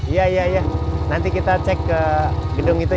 iya iya nanti kita cek ke gedung itu